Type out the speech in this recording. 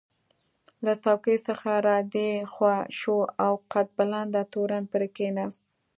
له څوکۍ څخه را دې خوا شو او قد بلنده تورن پرې کېناست.